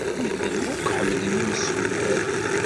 Medden akk ḥemmlen imsullal.